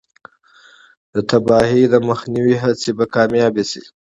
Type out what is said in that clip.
د تباهۍ د مخنیوي هڅې به کامیابې شي.